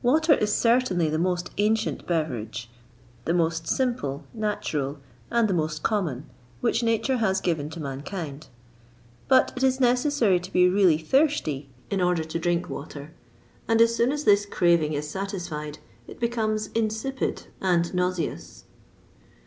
Water is certainly the most ancient beverage, the most simple, natural, and the most common, which nature has given to mankind. But it is necessary to be really thirsty in order to drink water, and as soon as this craving is satisfied it becomes insipid and nauseous.